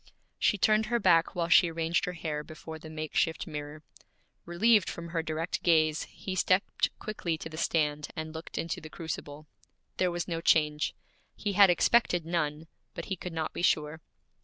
She turned her back while she arranged her hair before the makeshift mirror. Relieved from her direct gaze, he stepped quickly to the stand, and looked into the crucible. There was no change. He had expected none, but he could not be sure.